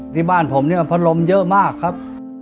ที่บ้านผมเนี่ยพัดลมเยอะมากครับ